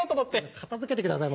片付けてください